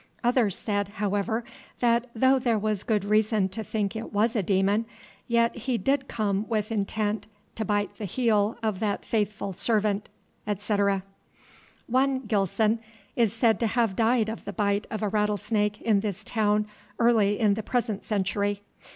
Others said, however, that, though there was good Reason to think it was a Damon, yet he did come with Intent to bite the Heel of that faithful Servant, etc. One Gilson is said to have died of the bite of a rattlesnake in this town early in the present century.